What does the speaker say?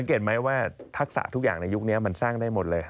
เห็นไหมว่าทักษะทุกอย่างในยุคนี้มันสร้างได้หมดเลย